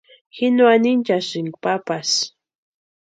Ji no anhinchasïnka papasï.